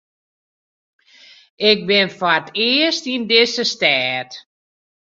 Ik bin foar it earst yn dizze stêd.